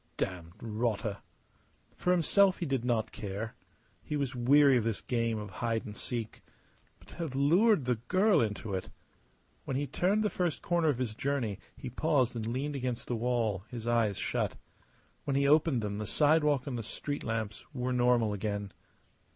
Damned rotter! For himself he did not care. He was weary of this game of hide and seek. But to have lured the girl into it! When he turned the first corner of his journey he paused and leaned against the wall, his eyes shut. When he opened them the sidewalk and the street lamps were normal again.